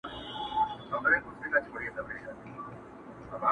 ما ددې غرونو په لمنو کي شپېلۍ ږغول٫